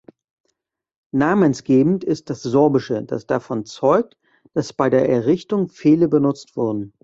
Namensgebend ist das Sorbische, das davon zeugt, das bei der Errichtung Pfähle benutzt wurden.